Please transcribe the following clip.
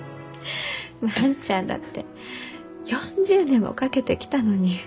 万ちゃんだって４０年もかけてきたのに。